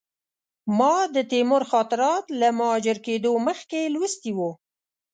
ما د تیمور خاطرات له مهاجر کېدلو مخکې لوستي وو.